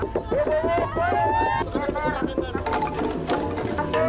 untuk para pangkalan